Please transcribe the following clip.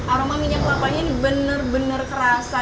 aroma minyak kelapanya ini benar benar kerasa